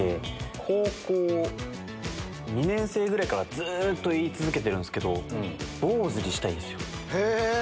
高校２年生ぐらいからずっと言い続けてるんですけど、坊主にしたへぇー。